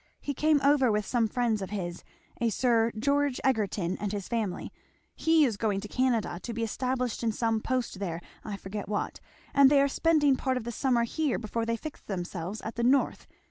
He came over with some friends of his a Sir George Egerton and his family; he is going to Canada, to be established in some post there, I forget what; and they are spending part of the summer here before they fix themselves at the North.